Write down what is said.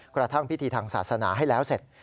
กระทั่งพิธีทางศาสนาให้แล้วเสร็จ